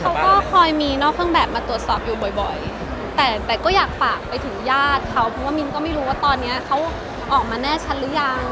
เขาก็คอยมีนอกเครื่องแบบมาตรวจสอบอยู่บ่อยบ่อยแต่แต่ก็อยากฝากไปถึงญาติเขาเพราะว่ามิ้นก็ไม่รู้ว่าตอนนี้เขาออกมาแน่ชัดหรือยัง